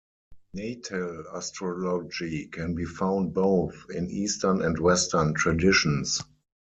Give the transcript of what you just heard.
Natal astrology can be found both in Eastern and Western traditions.